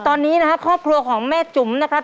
ตอนนี้นะครับครอบครัวของแม่จุ๋มนะครับ